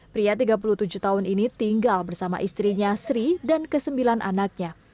pria tiga puluh tujuh tahun ini tinggal bersama istrinya sri dan kesembilan anaknya